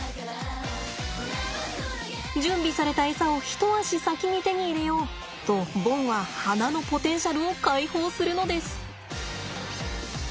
準備されたエサを一足先に手に入れようとボンは鼻のポテンシャルを解放するのです。